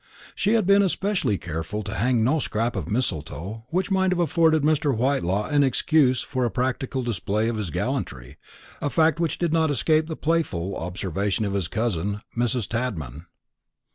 She had been especially careful to hang no scrap of mistletoe, which might have afforded Mr. Whitelaw an excuse for a practical display of his gallantry; a fact which did not escape the playful observation of his cousin, Mrs. Tadman.